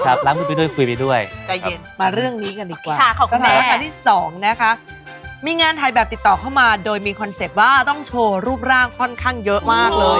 ล้างมือไปด้วยคุยไปด้วยครับมาเรื่องนี้กันอีกกว่าสถานการณ์ที่๒นะคะมีงานถ่ายแบบติดต่อเข้ามาโดยมีคอนเซ็ปต์ว่าต้องโชว์รูปร่างค่อนข้างเยอะมากเลย